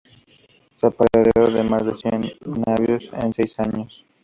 Se apoderó de más ce cien navíos en seis años.